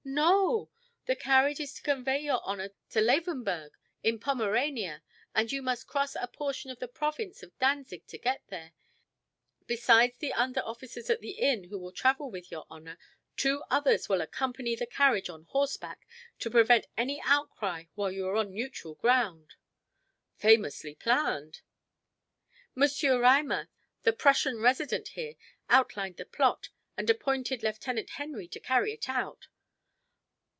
"No. The carriage is to convey your honor to Lavenburg, in Pomerania, and you must cross a portion of the province of Danzig to get there. Besides the under officers at the inn who will travel with your honor, two others will accompany the carriage on horseback to prevent any outcry while you are on neutral ground." "Famously planned!" "M. Reimer, the Prussian resident here, outlined the plot, and appointed Lieutenant Henry to carry it out."